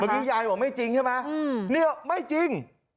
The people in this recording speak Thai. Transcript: เมื่อกี้ยายบอกไม่จริงใช่ไหมเนี่ยไม่จริง